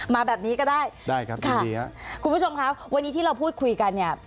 มาแบบนี้ก็ได้ค่ะคุณผู้ชมครับวันนี้ที่เราพูดคุยกัน